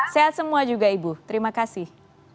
sehat semua juga ibu terima kasih